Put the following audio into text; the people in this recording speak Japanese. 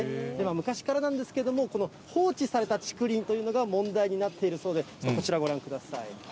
昔からなんですけども、この放置された竹林というのが問題になっているそうで、ちょっとこちらご覧ください。